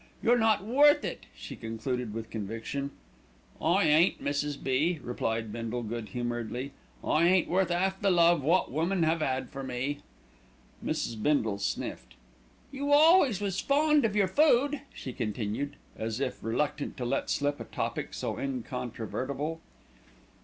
You're not worth it," she concluded with conviction. "I ain't, Mrs. B.," replied Bindle good humouredly, "I ain't worth 'alf the love wot women 'ave 'ad for me." Mrs. Bindle sniffed. "You always was fond of your food," she continued, as if reluctant to let slip a topic so incontrovertible.